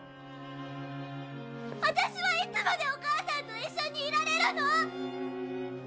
私はいつまでお母さんと一緒にいられるの？